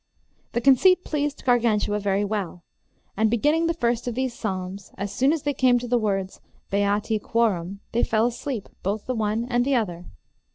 The conceit pleased Gargantua very well, and, beginning the first of these psalms, as soon as they came to the words Beati quorum they fell asleep, both the one and the other.